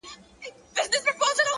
علم د ناپوهۍ محدودیت له منځه وړي!